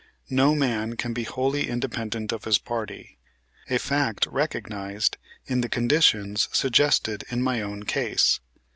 No man can be wholly independent of his party, a fact recognized in the conditions suggested in my own case.